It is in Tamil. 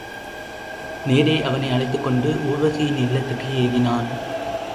நேரே அவனை அழைத்துக் கொண்டு ஊர்வசியின் இல்லத்துக்கு ஏகினான்.